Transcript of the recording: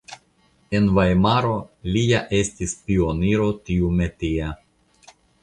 En Vajmaro li ja estis pioniro tiumetia.